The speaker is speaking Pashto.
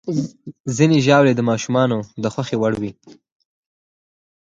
ځینې ژاولې د ماشومانو د خوښې وړ وي.